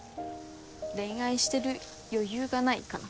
恋愛してる余裕がないかな。